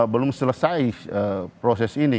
belum selesai proses ini